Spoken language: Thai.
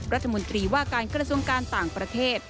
รัฐมนตรีว่าการกระทรวงการต่างประเทศ